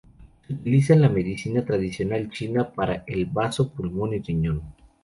Se utiliza en la Medicina tradicional china para el bazo, pulmón y riñón.